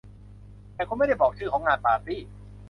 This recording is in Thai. แต่คุณไม่ได้บอกชื่อของงานปาร์ตี้